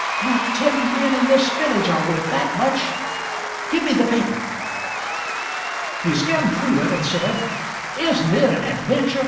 Not ten men in this village are worth that much. Give me the paper." He skimmed through it and said: "Isn't it an adventure!